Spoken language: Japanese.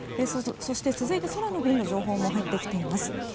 続いて空の便の情報も入ってきています。